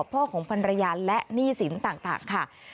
พ่อของพันรยาและหนี้สินต่างค่ะ